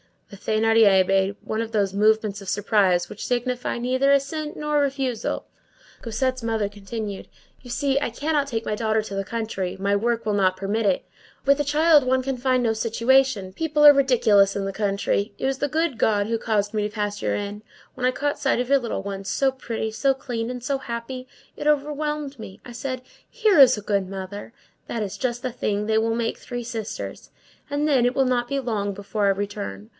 The Thénardier made one of those movements of surprise which signify neither assent nor refusal. Cosette's mother continued:— "You see, I cannot take my daughter to the country. My work will not permit it. With a child one can find no situation. People are ridiculous in the country. It was the good God who caused me to pass your inn. When I caught sight of your little ones, so pretty, so clean, and so happy, it overwhelmed me. I said: 'Here is a good mother. That is just the thing; that will make three sisters.' And then, it will not be long before I return.